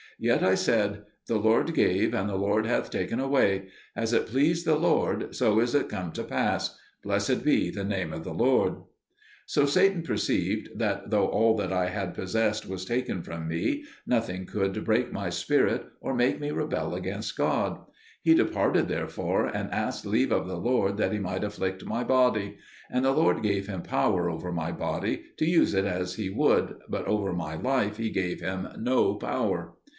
Yet I said, "The Lord gave, and the Lord hath taken away: as it pleased the Lord, so is it come to pass: blessed be the name of the Lord." So Satan perceived that, though all that I had possessed was taken from me, nothing could break my spirit or make me rebel against God. He departed, therefore, and asked leave of the Lord that he might afflict my body. And the Lord gave him power over my body to use it as he would, but over my life He gave him no power.